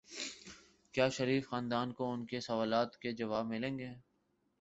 کیا شریف خاندان کو ان کے سوالات کے جواب ملیں گے؟